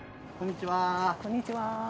こんにちは。